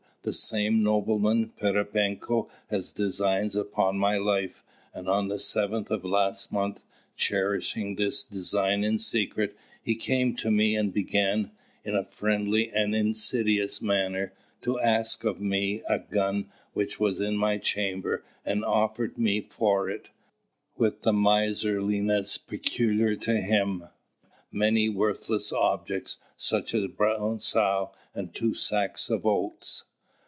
The same nobleman Pererepenko has designs upon my life; and on the 7th of last month, cherishing this design in secret, he came to me, and began, in a friendly and insidious manner, to ask of me a gun which was in my chamber, and offered me for it, with the miserliness peculiar to him, many worthless objects, such as a brown sow and two sacks of oats.